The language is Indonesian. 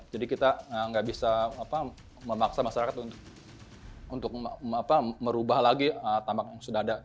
jadi kita gak bisa memaksa masyarakat untuk merubah lagi tambak yang sudah ada